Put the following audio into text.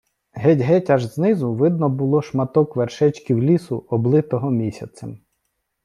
Геть-геть аж знизу видно було шматок вершечків лісу, облитого місяцем.